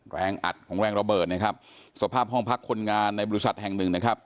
แรงอัดของแรงระเบิดนะครับสภาพห้องพักคนงานในบริษัทแห่งหนึ่งนะครับ